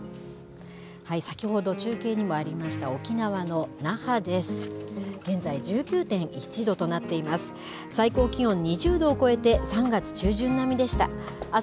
先ほど中継にもありました沖縄の那覇です。